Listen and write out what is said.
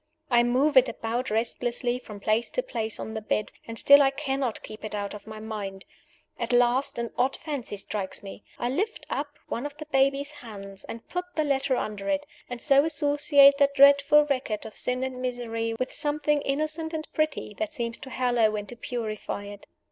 I move it about restlessly from place to place on the bed, and still I cannot keep it out of my mind. At last, an odd fancy strikes me. I lift up one of the baby's hands, and put the letter under it and so associate that dreadful record of sin and misery with something innocent and pretty that seems to hallow and to purify it.